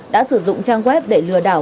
đã sử dụng trang web để lừa đảo